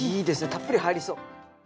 たっぷり入りそう。